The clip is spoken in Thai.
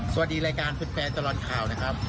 สวัสดีรายการแฟนตลอดข่าวนะครับ